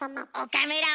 岡村！